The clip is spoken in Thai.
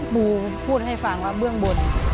ปูพูดให้ฟังว่าเบื้องบน